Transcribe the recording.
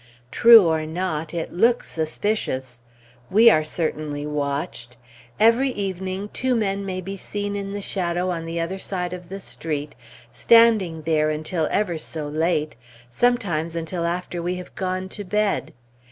True or not, it looks suspicious. We are certainly watched. Every evening two men may be seen in the shadow on the other side of the street, standing there until ever so late, sometimes until after we have gone to bed.